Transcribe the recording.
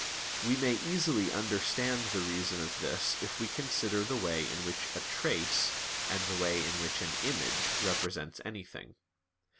We may easily understand the reason of this if we consider the way in which a "trace," and the way in which an "image," represents anything.